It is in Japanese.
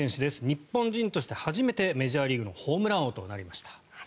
日本人として初めてメジャーリーグのホームラン王となりました。